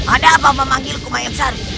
ada apa memanggilku mayang sari